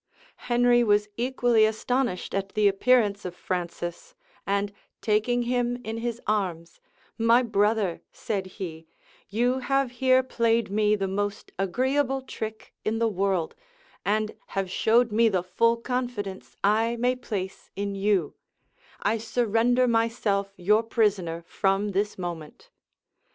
Henry was equally astonished at the appearance of Francis; and taking him in his arms, "My brother," said he, "you have here played me the most agreeable trick in the world, and have showed me the full confidence I may place in you: I surrender myself your prisoner from this moment."